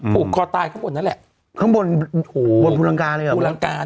ผูกคอตายข้างบนนั่นแหละข้างบนบนภูลังกาเลยอ่ะภูลังกา